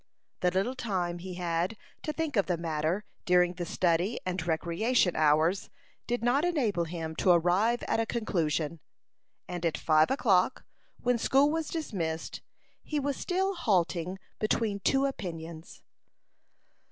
The little time he had to think of the matter during the study and recreation hours did not enable him to arrive at a conclusion; and at five o'clock, when school was dismissed, he was still halting between two opinions.